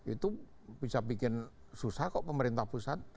itu bisa bikin susah kok pemerintah pusat